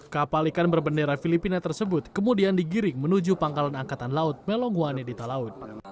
kapal ikan berbendera filipina tersebut kemudian digiring menuju pangkalan angkatan laut melongguan edita laut